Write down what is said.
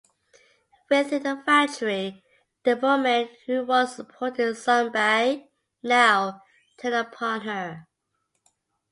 Within the factory, the women who once supported Sonbai now turn upon her.